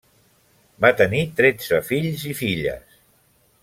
Va tenir tretze fills i filles.